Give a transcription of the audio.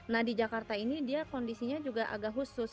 nah di jakarta ini dia kondisinya juga agak khusus